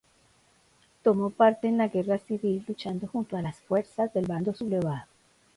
Tomó parte en la Guerra civil, luchando junto a las fuerzas del Bando sublevado.